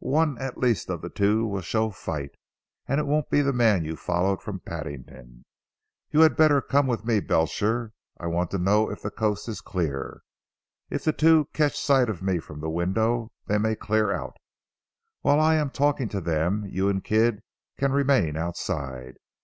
One at least of the two will show fight, and it won't be the man you followed from Paddington. You had better come with me Belcher. I want to know if the coast is clear. If the two catch sight of me from the window, they may clear out. While I am talking to them, you and Kidd can remain outside.